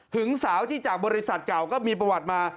สาวที่จากบริษัทเก่าก็มีประวัติมา